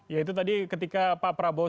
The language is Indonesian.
ya itu tadi ketika pak prabowo